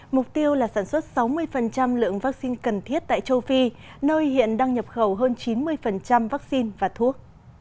mục tiêu là sản xuất sáu mươi lượng vắc xin cần thiết tại châu phi nơi hiện đang nhập khẩu hơn chín mươi vắc xin và thuốc